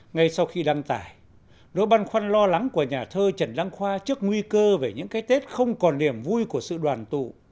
ngay sau khi đăng tải nỗi băn khoăn lo lắng của nhà thơ trần đăng khoa trước nguy cơ về những cái tết không còn niềm vui của sự đoàn tụ